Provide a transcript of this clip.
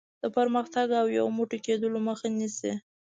د پرمختګ او یو موټی کېدلو مخه نیسي.